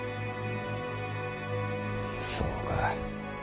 そうか。